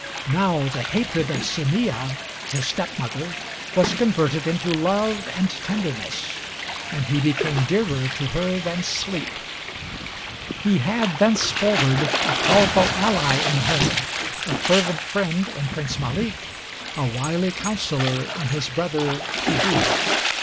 Now the hatred of Semeeah (his stepmother) was converted into love and tenderness, and he became dearer to her than sleep. [He had thenceforward a powerful ally in her, a fervent friend in Prince Malik, a wily counselor in his brother Shiboob.